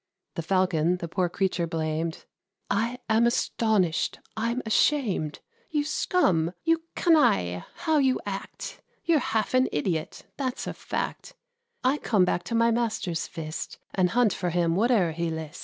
The Falcon the poor creature blamed; "I am astonished! I'm ashamed! You scum! you canaille! how you act! You're half an idiot, that's a fact. I come back to my master's fist, And hunt for him whate'er he list.